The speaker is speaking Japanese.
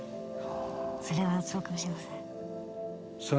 それはそうかもしれません。